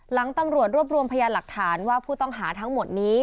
ตำรวจรวบรวมพยานหลักฐานว่าผู้ต้องหาทั้งหมดนี้